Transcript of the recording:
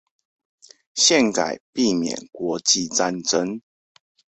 憲改避免國際戰爭